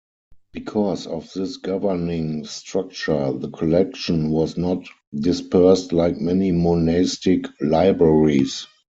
Because of this governing structure, the collection was not dispersed like many monastic libraries.